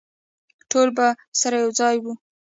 ټول به سره یوځای وو.